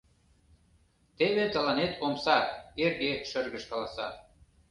«Теве тыланет омса», Эрге шыргыж каласа.